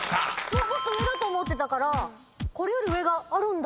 もっと上だと思ってたからこれより上があるんだ。